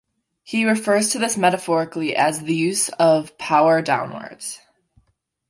He refers to this metaphorically as the use of power downwards.